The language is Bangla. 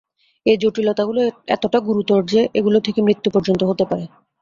এই জটিলতাগুলো এতটা গুরুতর যে, এগুলো থেকে মৃত্যু পর্যন্ত হতে পারে।